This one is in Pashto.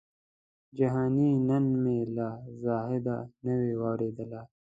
جهاني نن مي له زاهده نوې واورېدله